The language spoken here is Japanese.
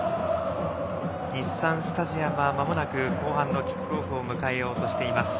日産スタジアムはまもなく後半のキックオフを迎えようとしています。